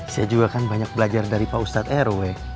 saya juga kan banyak belajar dari pak ustadz rw